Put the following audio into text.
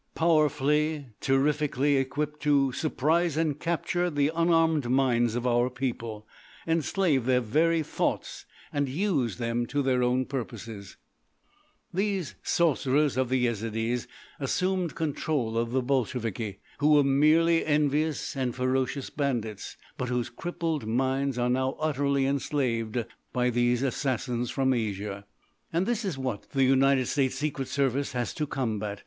Powerfully, terrifically equipped to surprise and capture the unarmed minds of our people, enslave their very thoughts and use them to their own purposes, these Sorcerers of the Yezidees assumed control of the Bolsheviki, who were merely envious and ferocious bandits, but whose crippled minds are now utterly enslaved by these Assassins from Asia. "And this is what the United States Secret Service has to combat.